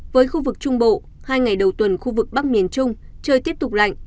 với khu vực trung bộ hai ngày đầu tuần khu vực bắc miền trung trời tiếp tục lạnh